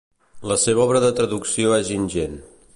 La seva obra de traducció és ingent.